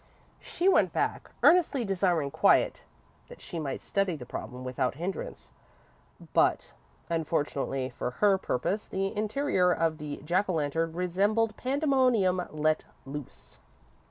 She went back, earnestly desiring quiet, that she might study the problem without hindrance, but, unfortunately for her purpose, the interior of the Jack o' Lantern resembled pandemonium let loose.